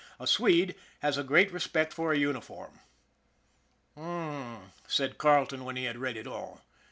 A Swede has a great respect for a uniform. " H'm," said Carleton, when he had read it all.